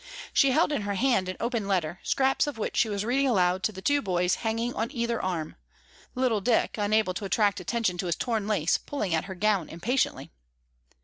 She held in her hand an open letter, scraps of which she was reading aloud to the two boys hanging on either arm, little Dick, unable to attract attention to his torn lace, pulling at her gown impatiently.